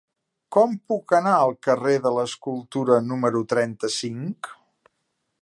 Com puc anar al carrer de l'Escultura número trenta-cinc?